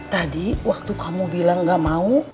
tadi waktu kamu bilang gak mau